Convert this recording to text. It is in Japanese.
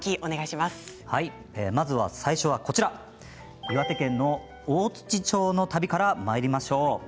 まず最初は岩手県の大槌町の旅からまいりましょう。